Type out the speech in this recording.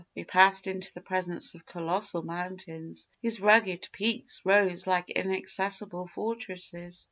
We passed into the presence of colossal mountains, whose rugged peaks rose like inaccessible fortresses.